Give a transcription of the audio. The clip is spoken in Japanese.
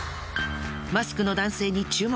マスクの男性に注目。